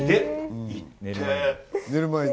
寝る前に。